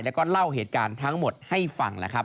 และเล่าเหตุการณ์ทั้งหมดให้ฟัง